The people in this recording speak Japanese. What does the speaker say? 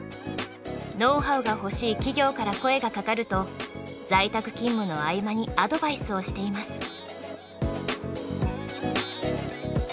ノウハウが欲しい企業から声がかかると在宅勤務の合間にアドバイスをしています。